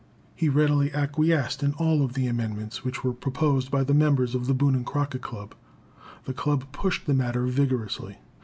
He readily acquiesced in all the amendments which were proposed by members of the Boone and Crockett Club. The Club pushed the matter vigorously.